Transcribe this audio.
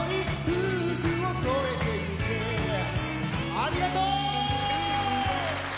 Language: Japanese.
ありがとう。